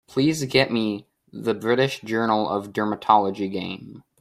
Please get me the British Journal of Dermatology game.